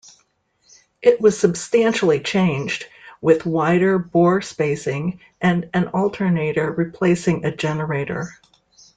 It was substantially changed, with wider bore spacing and an alternator replacing a generator.